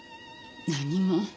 何も。